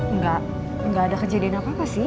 enggak gak ada kejadian apa apa sih